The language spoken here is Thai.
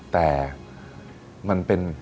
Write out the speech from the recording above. แต่มันเป็น